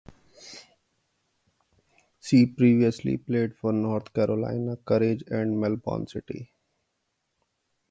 She previously played for North Carolina Courage and Melbourne City.